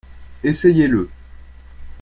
Essayez-le.